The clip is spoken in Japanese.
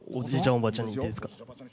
おばあちゃんに言っていいですか。